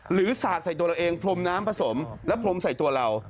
สาดใส่ตัวเราเองพรมน้ำผสมแล้วพรมใส่ตัวเรา